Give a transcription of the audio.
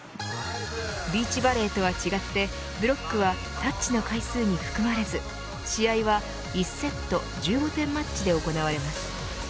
ビーチバレーとは違ってブロックはタッチの回数に含まれず試合は１セット１５点マッチで行われます。